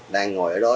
đang ngồi ở đó